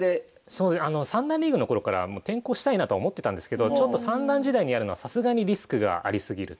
三段リーグの頃から転向したいなとは思ってたんですけど三段時代にやるのはさすがにリスクがあり過ぎると。